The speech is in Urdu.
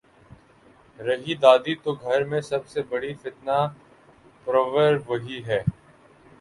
رہی دادی تو گھر میں سب سے بڑی فتنہ پرور وہی ہے۔